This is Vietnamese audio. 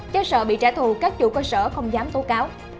do sợ bị trả thù các chủ cơ sở không dám tố cáo